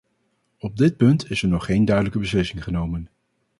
Op dit punt is er nog geen duidelijke beslissing genomen.